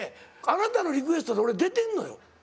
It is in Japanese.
あなたのリクエストで俺出てんのよ。